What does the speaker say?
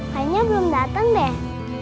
kayaknya belum dateng deh